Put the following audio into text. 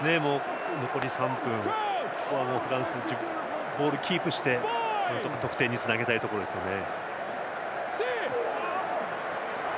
残り３分ここはもうフランスはボールをキープしてなんとか得点につなげたいところですね。